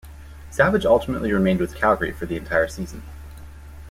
Savage ultimately remained with Calgary for the entire season.